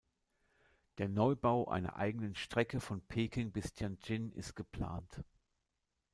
Der Neubau einer eigenen Strecke von Peking bis Tianjin ist geplant.